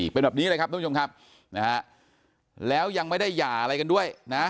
เป็นแบบนี้เลยครับทุกผู้ชมครับนะฮะแล้วยังไม่ได้หย่าอะไรกันด้วยนะฮะ